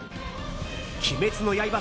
「鬼滅の刃」